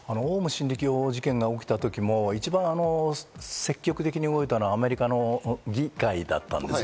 オウム真理教事件が起きた時も一番積極的に動いたのはアメリカの議会だったんです。